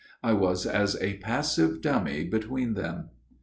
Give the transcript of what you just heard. I was as a passive dummy between them.